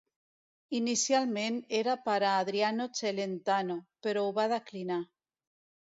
Inicialment era per a Adriano Celentano, però ho va declinar.